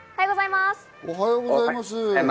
おはようございます。